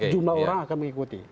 jumlah orang akan mengikuti